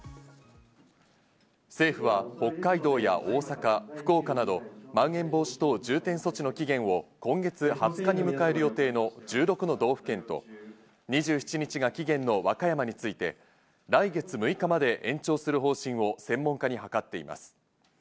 政府は北海道や大阪、福岡などまん延防止等重点措置の期限を今月２０日に迎える予定の１６の道府県と２７日が期限の和歌山について、来月６日まで延長する方針を専門家に諮っています。